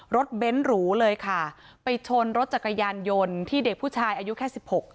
เบ้นหรูเลยค่ะไปชนรถจักรยานยนต์ที่เด็กผู้ชายอายุแค่สิบหก